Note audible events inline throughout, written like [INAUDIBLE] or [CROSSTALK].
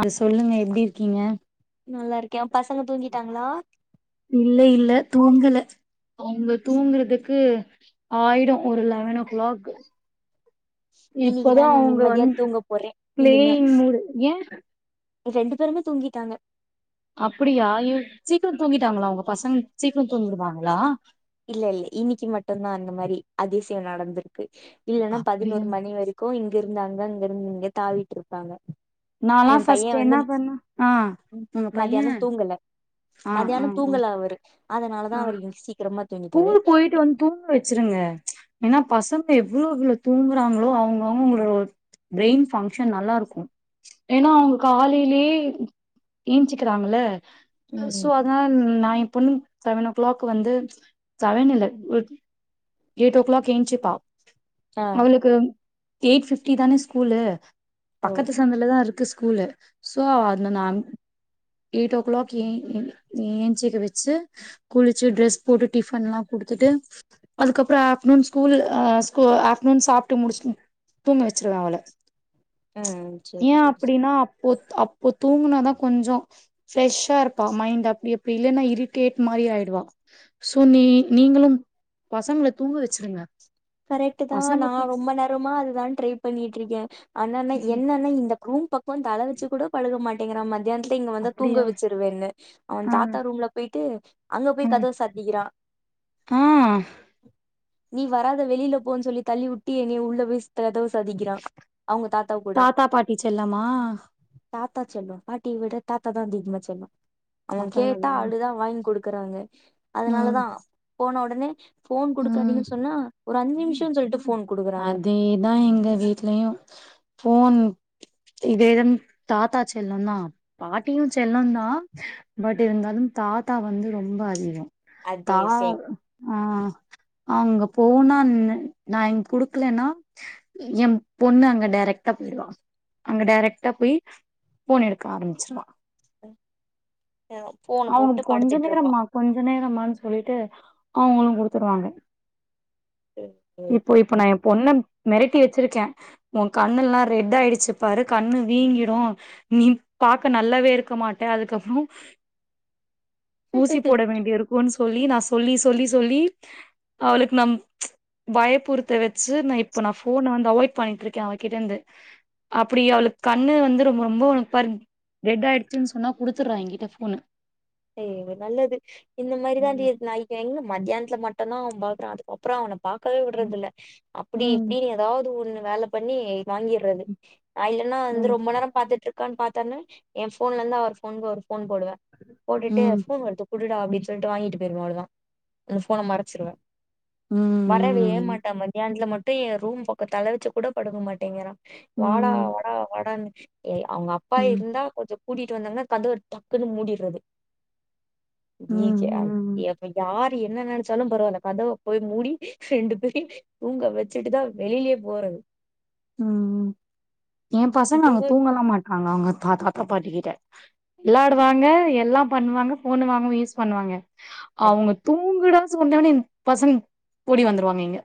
அ சொல்லுங்க எப்பிடி இருக்கீங்க நல்லா இருக்கேன் பசங்க தூங்கிட்டாங்களா ல்ல தூங்கல அவங்க தூங்குறதுக்கு ஆயிடும் ஒரு லெவன் ஓ கிளாக் இன்னைக்குதா இப்பதா நீ அவங்க நிம்மதியா வந் தூங்க போறே இனிமே கிளீன் மூடு ஏ ரெண்டு பேருமே தூங்கிட்டாங்க அப்பிடியா சீக்கிரம் தூங்கிட்டாங்களா உங்க பசங்க சீக்கிர தூங்கிடுவாங்களா இல்ல இல்ல இன்னைக்கு மட்டும்தா அந்த மாரி அதிசயோ நடந்த்ருக்கு இல்லன்னா அப்படியா பதினொரு மணி வரைக்கு இங் இங்கிருந்து அங்க அங்கிருந்து இங்க தாவிட்டு இருப்பாங்க நால்லா எ பைய ஃபஸ்ட் வந்து என்னா பண்ணுவா ஆ உங்க பைய ஆ ஆ மத்தியானோ ஆ தூங்கல அவரு அதனாலதா அவரு இன்னக்கி சீக்கிரமா தூங்கிட்டாரு கூலுக்கு போயிட்டு வந்து தூங்க வச்சிருங்க ஏன்னா பசங்க எவ்ளோ எவ்ளோ தூங்குறாங்களோ அவங்கவுங்களோ பிரெய்ன் ஃபங்க்ஷன் நல்லா இருக்கு ஏன்னா அவங்க காலைலயே ஏஞ்ச்சிக்கிறாங்கல்ல அ சோ ம் அதனால நா என் பொண்ணு செவன் ஓ கிளாக் வந்து செவன் இல்ல எய்ட் எய்ட் ஓ கிளாக் என்ச்சுப்பா ஆ அவளுக்கு எய்ட் ஃபிப்டிதான ஸ்கூலு ஓ பக்கத்து சந்துலதா இருக்கு ஸ் கூலு சோ அதுல நான் எய்ட் ஓ கிளாக் ஏ எ ஏன்ச்சுக்க வெச் சு குளிச்சு ட்ரெஸ் குடுத் டிஃபன்லா குடுத்துட்டு அதுக்கப்றோ ஆஃப்டர்நூன் ஸ்கூலு ஆ ஸ்கூ ஆஃப்டர்நூன் சாப்ட்டு முடிச்சுட்டு தூங்க வச்சுருவே அவள. ம் சேரி ஏ சேரி சேரி அப்பிடின்னா அப்போ அப்போ தூங்குனாதா கொஞ்சோ ஃப்ரெஷ்ஷா இருப்பா. மைண்ட் அப்டியே இப்டி இல்லைன்னா இரிட்டேட் மாரி ஆயிடுவா. சோ நீ நீங்களும் பசங்கள தூங்க வச்சிருங்க கரெக்ட்டுதா பசங்க நா தூ ரொம்ப நேரமா அததா ட்ரை பண்ணிட்ருக்கே ஆனான்னா ம் என்னன்னா இந்த க்ரூம் ப க்கோ தல வச்சு கூட படுக்க மாட்டேங்கிறா மத்தியானத் துல இங்க வந்தா தூங்க அப்டியா வச்சிருவேன்னு அவ ஆ தாத்தா ரூம்ல போயிட்டு அங்க போய் ம் கதவ சாத்திக்கிறா ஆ நீ வராத இந்த வெளில போன்னு சொல்லி தள்ளி விட்டி என்னய உள்ள வீசி கதவ சாத்திக்கிறான் அவங்க கூட தாத்தா பாட்டி செல்லமா? தாத்தா செல்லோ பாட்டிய விட தாத்தாதா அதிகமா செல்லோ அவ ஒன்னு தாத்தா கேட்டா அதுதா அழுதா வாங்கி குடு க்கறாங்க ம் அதனாலதா போன உடனே ஃபோன் ம் குடுக்காதீங்கன்னு சொன்னா ஒரு அஞ்சு நிமிஷோன்னு சொல்ட்டு அதேதா எங்க வீட்லயு ஃபோன் இதேதும் தாத்தா செல்லொந்தா பாட் டியு செல்லொந்தா பட் இருந்தாலும் தாத்தா வந்து ரொம்ப அதிகொ அதே தா சேம் ஆ அங்க போனான் நா இங் குடுக்லென்னா எம் பொண்ணு அங்க டைரக்டா போயிடுவா அங்க டைரக்ட்டா போய் ஃபோன் எடுக்க ஆரம்பிச்சிருவா [INAUDIBLE] ஃபோன அவுங்க போட்டு கொஞ்ச படுத்துட்டு இருப்பா நேரம்மா கொஞ்ச நேரம்மான் சொல்ட்டு அவுங்களு குடுத்துருவாங்க இப்போ இப்ப நா எ பொண்ண மெரட்டி வச்சுருக்கே ஒ கண்ணுல்லா ரெட் ஆயிடுச்சு பாரு கண்ணு வீங்கிடு நீ பாக்க நல்லாவே இருக்க மாட்ட அதுக்கப்றொ ஊசி போட வேண்டியருக்குன் சொ ல்லி நா சொல்லி சொல்லி சொல்லி அவளுக்கு நம் பயப்புறுத்த வச்சு நா இப்ப நா ஃபோன வந்து அவாய்ட் பண்ணிட்ருக்கே அவகிட்டெந்து அப்பிடி அவளுக் கண்ணு வந்து ரொ ரொம்ப ஒனக்கு பாரு ரெட் ஆயிடுச்சுன் சொன்னா குடுத்துர்றா எங்கிட்ட ஃபோன எ இவ நல்லது இந்த மாரிதா ம் [UNINTELLIGIBLE] எங்க மத்யானத்துல மட்டுந்தா அவம்பாக்றா அதுக்கப்றொ அவன பாக்கவே விட்றதில்ல அப்பிடி ம் இப்பிடின் எதாவ்து ஒன்னு வேல பண்ணி வாங்கிர்றது அ இல்லன்னா வந்து ம் ரொம்ப நேர பாத்துட்ருக் கான் பாத்தான்ன ஏ ஃபோன்லந்து அவர் ஃபோனுக் ஒரு ஃபோன் போடுவே ம் போட்டுட்டு ம் ஃபோன் வருது கு டுடா அப்டின் சொல்ட்டு வாங்கிட்டு போயிருவ அவ்ளதா இந்த ஃபோன மறச்சுருவ வரவே ம் மாட்டா மதியானத்துல மட் டு எ ரூம் பக்க தல வச்சு கூட படுக்க மாட்டேங்கிறா ம் வாடா ம் வாடா வாடன்னு ஏ அவுங்க அப்பா ம் இருந்தா கொஞ்ச கூட்டிட் வந்தாங்னா கதவ டக்குன் மூடிர்றது ம் ம் [UNINTELLIGIBLE] யார் என்ன நெனச்சாலும் பரவால்ல கதவ போய் மூடி ரெண்டு பேரயு தூங்க வச்சுட்டுதா வெளிலயே போறது ம் ஏ பசங்க அங்க தூங்க தூங்கல்லா மாட்டாங்க அவுங்க தாத்தா பாட்டிக்கிட்ட விளாடுவாங்க எல்லா பண்ணுவாங்க ஃபோனு வாங்க யூஸ் பண்ணுவாங்க அ- அவுங்க தூங்குடா சொன்னொனெ பசங் ஓடி வந்துருவாங்க இங்க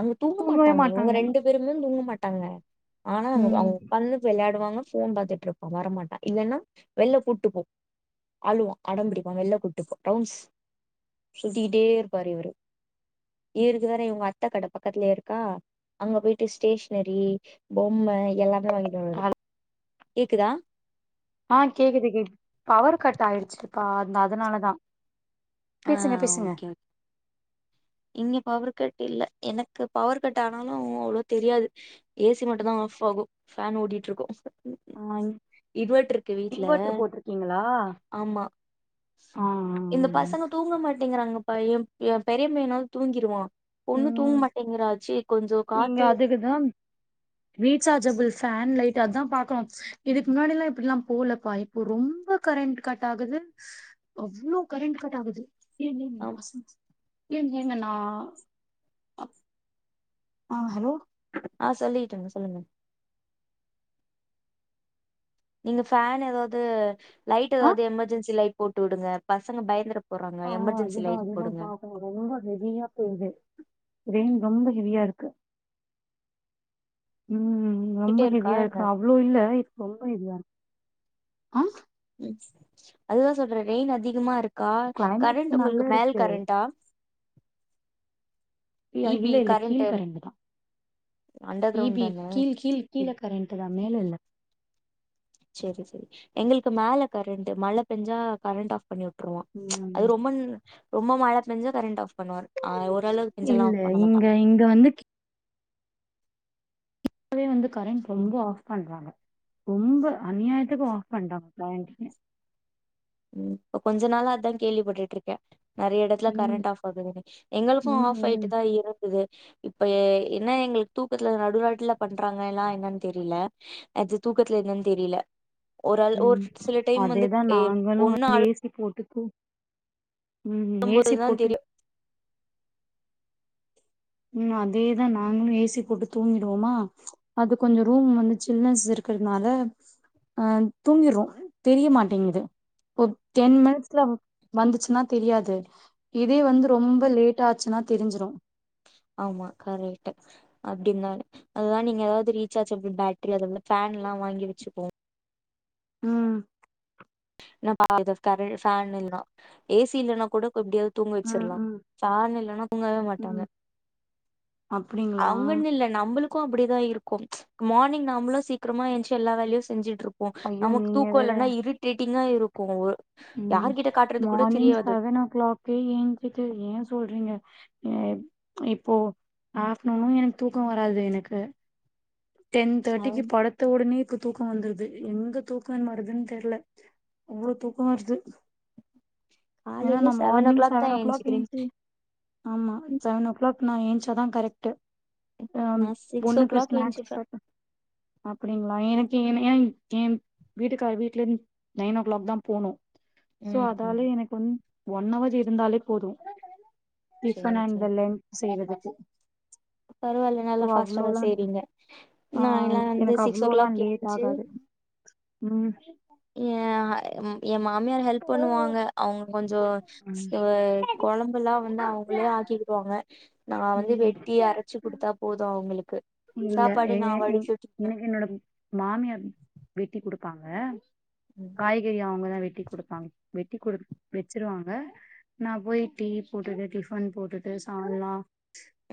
அங்க தூங்கவே தூங்கமாட்டாங்க இவங்க மாட்டாங்க ரெண்டு பேரும் தூங்க மாட்டாங்க மாட்டாங்க ஆனா ம் அவுங்க பண்ண விள இங்க வான்னா போன் பாத்துட்டு இருப்பா வரமாட்டா இல்லேனா வெளில கூட்டிட்டு போ அழுவா அடம் பிடிப்பா வெளில கூட்டிட்டு போ ரவுண்ட்ஸ் சுத்திக்கிட்டே இருப்பாரு இவரு இ இது வேற இவுங்க அத்த கட பக்கத்ல இருக்கா அங்க போயிட்டு ஸ்டேஷ்னரி பொம்ம இதெல்லா போய் வாங்கிட்டு வருவாரு கேக்குதா ஆ அப்ப அந்த அதனாலதா ஆ பேசுங்க பேசுங்க ஓகே இங்க பவர்க்கட் இல்ல எனக்கு பவர் கட் ஆனாலு அவ்ளோ தெரியாது ஏ சி மட்டுந்தா ஆஃப் ஆகு ஃபேன் ஓடிட்ருக்கு ஆ இன்வெட்டர் போட்டிருக்கீங்ளா ஆமா ஆ ஆ இந்த ஆ பசங்க தூங்க மாட்டேங்கிறாங்கப்பா எ பெரிய எ பெரிய மயனாவது தூங்கிருவ பொண்ணு தூங்க ம் மாட்டேங்கிறா ஆச்சி கொஞ்சோ நீங்க காத்து அதுக்குதா ரீசார்ஜபிள் ஃபேன் லைட் அத்தா பாக்கனு இதுக்கு முன்னாடிலா இப்டிலா போலப்பா இப்போ ரொம்ப கரண்ட் கட் ஆகுது அவ்ளோ கரண்ட் கட் ஆகுது ஆ [UNINTELLIGIBLE] ஏ ஏங்க நா அப் ஆ ஹலோ ஆ சொல்லிட்ருங்க சொல்லுங்க நீங்க ஃபேன் ஏதாது லைட் ஆ எதாது எமர்ஜென்சி லைட் போட்டு விடுங்க பசங்க பயந்திர ஆ அதுதா அதுதா பாப்போ ரொம்ப ஹெவியா பேயுது ரெயின் ரொம்ப ஹெவியா இருக் உ ரொம்ப போயிட்டே இருக்கா ஹெவியா என்ன இருக்கு அவ்ளோ இல்ல ரொம்ப ஹெவியா இருக்கு ஆ அதுதா சொல்றேனே ரெயின் அதிகமா இருக் கா கரண்ட் கிளைமேட் நல்லா உங்களுக்கு மேல் இருக்கு கரண்டா இ பி இல்ல இல்ல கரண்ட் கீழ் கரண்ட்டு தா அண்டர் ப கிரவுண்ட் பி தான கீழ் கீழ் கீழே கரண்ட்டு தா மேல இல்ல செரி செரி எங்களுக்கு மேல கரண்ட் மழ பேஞ்சா கரண்ட் ஆஃப் பண்ணி வி ட்ருவா ச் அது ம் ரொம்ப ரொம்ப மழ பேஞ்சா கரண்ட் ஆஃப் பண்ணுவார் ஆ ஓரளவுக்கு செஞ்சலா இல்ல பண்ண மாட்டா இங்க இங்க வந்து இப்பவே வந்து கரண்ட் ரொம்ப ஆஃப் பண்றாங்க ரொம்ப அநியாயத்துக்கு ஆஃப் பண்றாங்க கரண்ட் உ இப்ப கொஞ்ச நாளா அதா கேள்விப்பட்டுட்ருக்கே நெறையா எடத்துல ம் கரண்ட் ஆஃப் ஆகுது எங்களுக்கு ம் ஆஃப் ஆயிட்டு ம் தா இருந்தது இப்ப என்ன எங்களுக்கு தூக்கத்துல நடுரோட்டுல பண்றாங்க எல்லா என்னன் தெரியில அது தூக்கத்துல என்னன் தெரியில ஒரு ஆள் ஒர் சில டைம் வந்து ஏம் இவனு வந்து ஏசி போட்டு த்து ம்ம் ஏசி அழும்போதுதா போட்டு தெரியு ம் அதேதா நாங்களு ஏசி போட்டு தூங்கிடுவோமா அது கொஞ்சோ ரூம் வந்து சில்னஸ் இருக்குறதுனால அ தூங்கிறோ தெரிய மாட்டேங்குது ஒத் டென் மினிட்ஸ்ல வந்துச்சுன்னா தெரியாது இதே வந்து ரொம்ப லேட்டா ஆச்சுன்னா தெரிஞ்சிரு ஆமா கரெட்டு அப்டி இருந்தாரு அதா நீங்க ஏதாவது ரீசார்ஜ்ஜபுல் பேட்ரி அத வந்து ஃபேன் எல்லா வாங்கி வெச்சுப்போ ம் என்னப்பா [INAUDIBLE] ஏசி இல்லன்னா கூடப் கோ எப்டியாவது தூங்க ம் வெச்சுருலா ம் சார் இல்லன்னா தூங்கவே மாட்டாங்க ம் அப்டிங்களா அவங்குன் இல்ல நம்மளு கு அப்டிதா இருக்கும் மார்னிங் நாமளு சீக்கிரமா எஞ்சு எல்லா வேலையு செஞ்சுட்டு இருக் ஒ ஐயோ நமக்கு நீங்க தூக்கோ வேற வல்லன்னா இருட்டிட் ங்க இருக்கு ம் காட்றது கூட மார்னிங் தெரியாது செவன் ஓ கிளாக்கே ஏஞ்சிட்டு ஏ சொல்றீங்க ஏப் இப்போ ஆஃப்நூனு எனக்கு தூக்கோ வராது எனக்கு டென் தோட்டிக்கு செவன் படத்த ஓடுனே இருக்குது தூக்கோ வந்துது எங்க தூக்கம் மாருதுன் தெர்ல அவ்வளோ தூக்கமா வருது ஏன்னா நு மார்னிங் செவன் ஓ கிளாக் ஏஞ்சு ஆமா செவன் ஓ கிளாக் நா ஏஞ்சாதா கரெக்டு ஆம் நா சிக்ஸ் ஓ பொண்ணுக்கு கிளாக் ஸ்நேக்ஸ் ஏஞ்சுப்பே அப்டிங்களா எனக்கு என்ன ஏங் ஏன் வீட்டுக்கார் வீட்ல இருந் நைன் ஓ கிளாக்தா போனு சோ ம் ம் அதால எனக்கு வந் ஒன் அவர் இருந்தாலே போது சேரி சேரி டிப்னெல்லாங் செய்றது [INAUDIBLE] பரவால்ல நல்லா பாஸ்ட்டாதா செய்றீங்க ஆ நான்லா எனக்கு வந்து எனக்கு சிக்ஸ் ஓ கிளாக் அவ்வளோல்லாம் லேட் ஏஞ்சு ஆகாது ம் ம் ஏ ம்யி எ மாமியாரு ஹெல்ப் பண்ணுவாங்க அவங்க கொஞ்சோ ம் கொழம்புல்லா வந்து அவங்களே ஆக்கிடுவாங்க நா வந்து ம் வெட்டி அரச்சு குடுத்தா போது அவங்களுக்கு இல்ல சாப்பாடு எ நா எ வடுச்சுட்டுக்குவ எனக்கு என்னோட ப்பாங்க காய்கறி அவங்கதா வெட் டி குடுப் பாங் வெட்டி குடுக்கு வெச்சுருவாங்க நா போய் டீ போட்டுட்டு டிஃபன் போட்டுட்டு சால்னா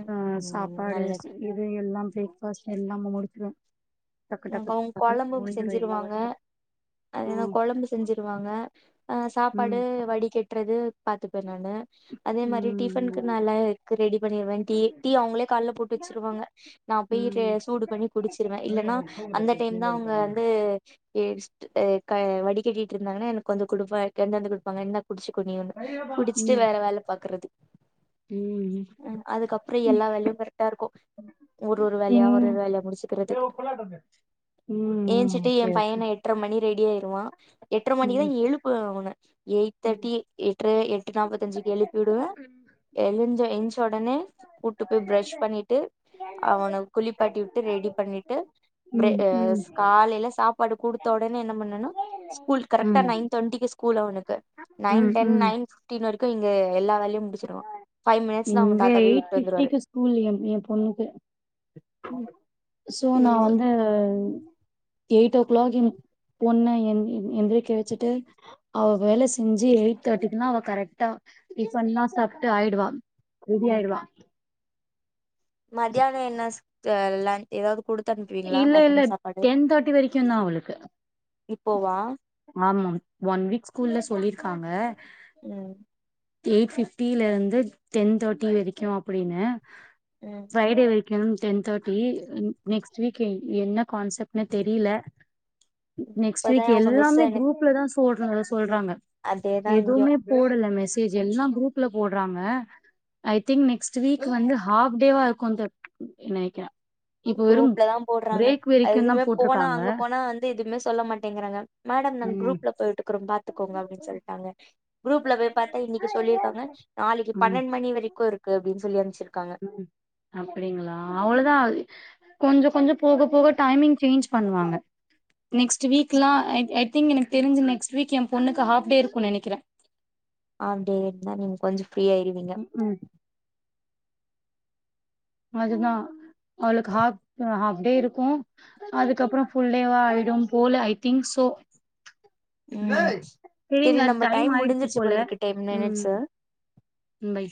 ம் அ ம் சாப்பாடு ஸ் நல்லது இது எல்லா ப்ரேக் பாஸ்ட் எல்லாம முடிச்சுரு இங்கங் கொழம்பும் எல்லா செஞ்சிடுவாங்க ஒர்க்கு அதன ம் கொழம்பு செஞ்சிடுவாங்க அ சாப்பாடு ம் வடி கெட்றது பாத்துப்பே நானு அதே மாரி ம் டிஃப்பனுக்கு நானு க்கு ரெடி பண்ணிருவே டேட்டி அவங்களே கால் ல போட்டு வச்சிருவாங்க நா போய் து ம் சூடு பண்ணி குடிச்சிருவே இல்லன்னா அந்த டைம் தா அவங்க வந்து ஏஸ்ட் டைம் க வடி கட்டிட்டு இருந்தாங்க எனக்கு வ கொடுப்பா டென்னந்து கொடுப்பாங்க என்ன புடிச்சுக்குனி ஒண்ணு குடிச்சுட்டு ம் வேற வேல பாக்குறது ம் அ அதுக்கப்ற எல்லா வேலயு கரெக்டா இருக்கு ஒரு ஒரு வேலயா ஒரு ஒரு வேலயா முடிச்சுக்கிறதுக்கு ம் ம் ஏஞ்சிட்டு எ ஓகே ஓகே பையன எட்ர மணி ரெடி ஆய்ருவா எட்ர மணிக்குதா ம் எழுப்பு அவன எயிட் ம் தேர்டி எட்ர எட் ட்டு நாப்பத்தஞ்சுக்கு எழுப்பி விடுவே எழுஞ்ச என்ஞ்ச ஒடனே கூட்டு போய் ப்ரஷ் பண்ணிட்டு அவன குளிப்பாட்டிவுட்டு ரெடி பண்ணிட்டு ப்டிய ம் ம் காலல சாப்பாடு குடுத்த ஒடனே என்ன பண்ணனு ஸ்கூல் கரெக்டா ம் நைன் தேர்ட்டிக்கு ஸ்கூல் அவனுக்கு நைன் ம் டென் ம் நைன் டிர்றரைக்கு இங்க எல்லா வேல் இங்க எயீட் விட்டு வந்துருவாரு ஃபிட்டிக் ஸ்கூல் எ ஏ பொண்ணுக்கு ம் சோ நா ம் வந்து ம் எயிட் ஓ க்ளாக் எ பொண்ண எந் ஏந்திரிக்க வச்சுட்டு அவ வேல செஞ்சு எயிட் தேட்டிக்னா அவ கரெக்ட்டா பண்ணா சாப்ட்டு ஆயிடுவா ரெடி ஆயிடுவா மத்தியான என்ன தெர்ல ஏதாவது குடுத் இல்ல இல்ல டென் தேட்டி வரைக்கு தா அவளுக்கு இப்போவா ஆமா ஒன் வீக் ஸ்கூல்ல சொல்லிருக்காங்க ம் எயிட் ஃபிப்டில இருந்து டென் தேட்டி வரைக்கு அப்புடினு ம் ஃப்ரைடே வர க்கு டென் தேர்டி நெக்ஸ்ட் ஸ்வீக்கே என்ன கான்செப்ட்னே தெரில நெக்ஸ்ட் இப்பதா வீக் அவங்க மிஸ் எல்லாமே எனக்கு குரூப்ல தா போட்ராங்க சொல்றாங்க அதேதா இங்கயு எதுவுமே போடல மிஸ் கே ஜி எல்லா குரூப்ல போட்றாங்க ஐ திங்க் நெக்ஸ்ட் வீக் வந்து ஹாஃப் டேவா இருக்குன்த நெனக்கிறே இப்ப வெறும் போட்றாங்க அதுமே போனா அங்க போனா வந்து எதுமே சொல்ல மாட்டெங்கிறாங்க மேடம் நாங்க ம் குரூப்ல போயிட்டுக்கிறோ பாத்துக்கோங்க அப்டின் சொல்ட்டாங்க குரூப்ல போய் பாத்தா இன்னக்கி சொல்லிர்க்காங்க நாளக்கி ம் பன்னெண் மணி வரைக்கு இருக்கு அப்டின் சொல்லி அ ம் அப்டிங்களா அவ்ளதா அது கொஞ்ச கொஞ்ச போக போக டைமிங் சேஞ்ச் பண்ணுவாங்க நெக்ஸ்ட் வீக்லா ஐ ஐ திங்க் எனக்கு தெருஞ்சு நெக்ஸ்ட் வீக் எ பொண்ணுக்கு ஹாஃப் டே இருக்குன் நெனக்கிறே ஹாஃப் டே இருந்தா நீங்க கொஞ்சொ ஃப்ரீ ஆயிருவீங்க ம் அதுதா அவளுக்கு ஹாஃப் ஹாஃப் டே இருக்கு அதுக்கப்புறொ ஃபுல்டேவா ஆயிடும் போல ஐ திங்க் சோ ம் செரி சரிங்க நம்ம டைம் ஆயிடுச்சு முடிஞ்சிருச்சு போல போலருக்கு டென்மினிட்ஸு ம் பை